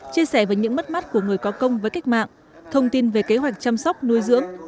chia sẻ về những mất mắt của người có công với cách mạng thông tin về kế hoạch chăm sóc nuôi dưỡng